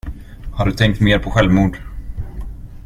Har du tänkt mer på självmord?